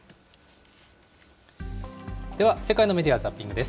では世界のメディア・ザッピングです。